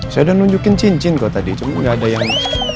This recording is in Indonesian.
saya udah nunjukin cincin kalau tadi cuma nggak ada yang